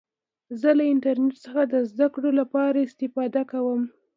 زه له انټرنټ څخه د زدهکړي له پاره استفاده کوم.